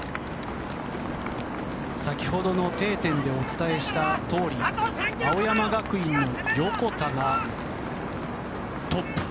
先ほどの定点でお伝えしたとおり青山学院の横田がトップ。